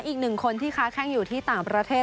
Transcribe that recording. อีกหนึ่งคนที่ค้าแข้งอยู่ที่ต่างประเทศ